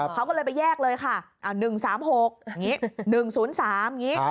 เขาก็เลยไปแยกเลยค่ะ๑๓๖อย่างนี้๑๐๓อย่างนี้